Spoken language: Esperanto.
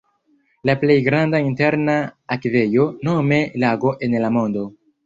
La plej granda interna akvejo nome lago en la mondo.